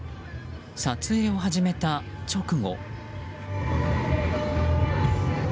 撮影を始めた直後。